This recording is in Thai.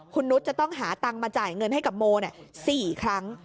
คุณนุษย์จะต้องหาตังค์มาจ่ายเงินให้กับโม๔ครั้ง